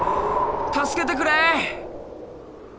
助けてくれ！